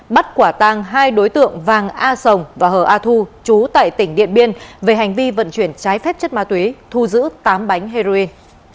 bắt quả tang hai đối tượng vàng a sồng và hờ a thu trú tại tỉnh điện biên về hành vi vận chuyển trái phép chất ma túy thu giữ tám bánh heroin